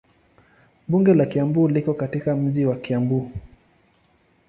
Bunge la Kiambu liko katika mji wa Kiambu.